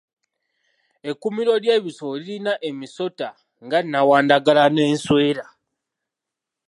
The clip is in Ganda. Ekkuumiro ly'ebisolo lirina emisota nga nnawandagala n'enswera.